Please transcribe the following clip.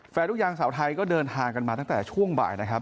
ลูกยางสาวไทยก็เดินทางกันมาตั้งแต่ช่วงบ่ายนะครับ